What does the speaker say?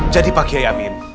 jadi pak kiai amin